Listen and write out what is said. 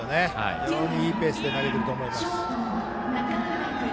非常にいいペースで投げていると思います。